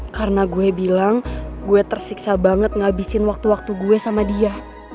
karena gue bilang gue tersiksa banget ngabisin waktu waktu gue sama dia